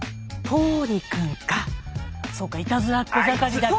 あれそうかいたずらっ子盛りだから。